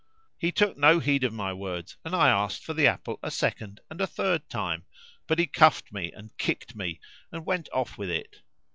He took no heed of my words and I asked for the apple a second and a third time, but he cuffed me and kicked me and went off with it.